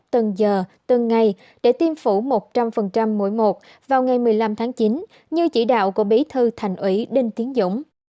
từng giờ từng ngày để tiêm phủ một trăm linh mỗi một vào ngày một mươi năm tháng chín như chỉ đạo của bí thư thành ủy đinh tiến dũng